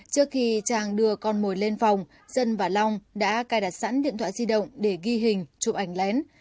trước khi trang đưa con mồi lên phòng dân và long đã cài đặt sẵn điện thoại di động để ghi hình chụp ảnh lén